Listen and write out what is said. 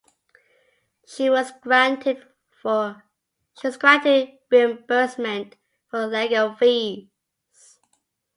She was granted reimbursement for legal fees.